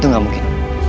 itu gak mungkin